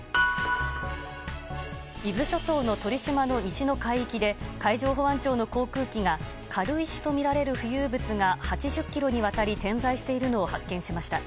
伊豆諸島の鳥島の西の海域で海上保安庁の航空機が軽石とみられる浮遊物が８０ｋｍにわたり点在しているのを発見しました。